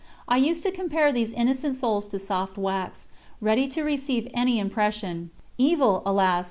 I used to compare these innocent souls to soft wax, ready to receive any impression evil, alas!